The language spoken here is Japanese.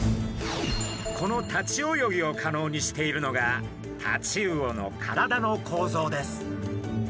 この立ち泳ぎを可能にしているのがタチウオの体の構造です。